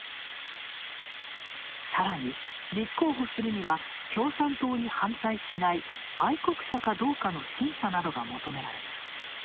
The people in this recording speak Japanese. さらに、立候補するには共産党に反対しない愛国者かどうかの審査などが求められます。